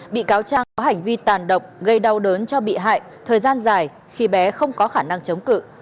bị cáo trang có hành vi tàn độc gây đau đớn cho bị hại thời gian dài khi bé không có khả năng chống cự